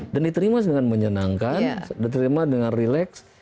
dan diterima dengan menyenangkan diterima dengan relax